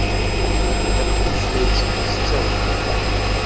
Leqdic la iteddu s ttawil.